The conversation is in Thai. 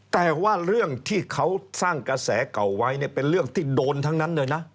แต่ว่าเรื่องที่เขาสร้างกระแสเก่าไว้เนี่ยเป็นเรื่องที่โดนทั้งนั้นเลยนะ